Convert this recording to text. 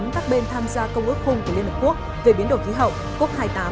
các bên tham gia công ước khung của liên hợp quốc về biến đổi khí hậu cop hai mươi tám